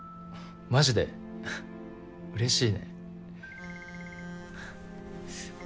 マジで？ははっうれしいね。